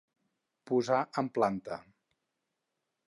Posar en planta.